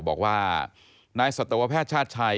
บอกว่านายสัตวแพทย์ชาติชัย